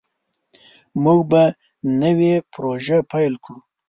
موږ به نوې پروژه پیل کړو.